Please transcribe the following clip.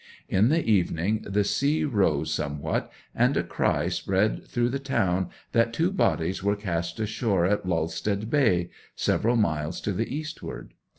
In the evening the sea rose somewhat, and a cry spread through the town that two bodies were cast ashore in Lullstead Bay, several miles to the eastward.